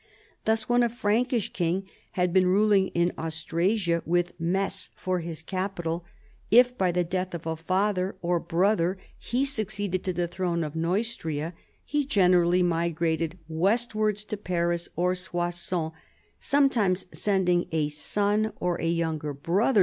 Thus when a Frankish king had been ruling in Austrasig with Metz for his capital, if by the death of a father or brother he succeeded to the throne of Neustria, he generallv migrated westwards to Paris or Sois sons, sometimes sending a son or a younger brother 28 CHARLEMAGNE.